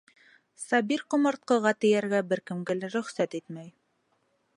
Сабир ҡомартҡыға тейергә бер кемгә лә рөхсәт итмәй.